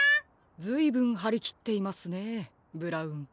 ずいぶんはりきっていますねブラウン。